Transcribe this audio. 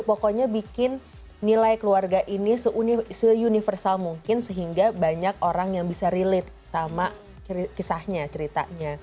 pokoknya bikin nilai keluarga ini se universal mungkin sehingga banyak orang yang bisa relate sama kisahnya ceritanya